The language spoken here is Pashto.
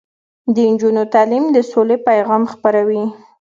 د نجونو تعلیم د سولې پیغام خپروي.